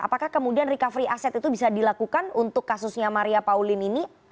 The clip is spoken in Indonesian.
apakah kemudian recovery aset itu bisa dilakukan untuk kasusnya maria pauline ini